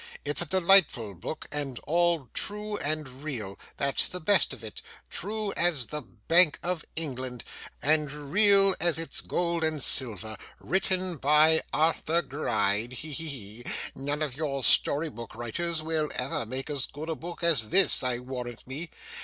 It's a delightful book, and all true and real that's the best of it true as the Bank of England, and real as its gold and silver. Written by Arthur Gride. He, he, he! None of your storybook writers will ever make as good a book as this, I warrant me.